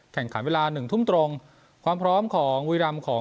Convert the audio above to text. แข่งขันเวลาหนึ่งทุ่มตรงความพร้อมของบุรีรำของ